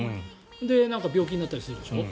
それで病気になったりするでしょ。